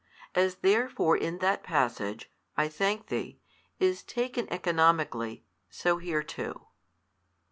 As therefore in that passage, I thank Thee, is taken economically, so here too.